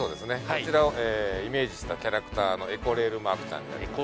こちらをイメージしたキャラクターのエコレールマークちゃんになります。